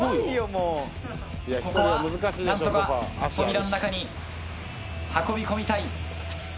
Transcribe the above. ここは何とか扉の中に運び込みたい。